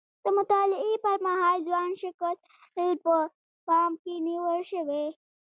د مطالعې پر مهال ځوان شکل په پام کې نیول شوی.